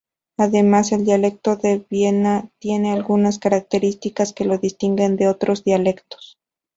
Además, el dialecto de Viena tiene algunas características que lo distinguen de otros dialectos.